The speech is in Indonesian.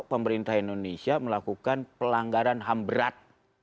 pemerintah indonesia melakukan pelanggaran ham berat